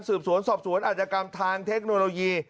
สืบสวนสอบสวนอาจกรรมทางเทคโนโลยี